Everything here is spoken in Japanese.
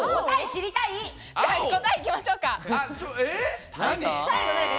答え、行きましょうか。